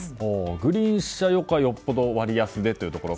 グリーン車よりかはよっぽど割安でということで。